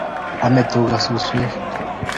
Ame tuka suswek